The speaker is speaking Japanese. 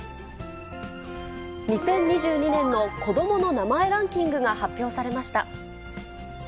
２０２２年の子どもの名前ランキングが発表されました。